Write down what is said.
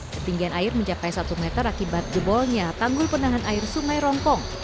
ketinggian air mencapai satu meter akibat jebolnya tanggul penahan air sungai rongkong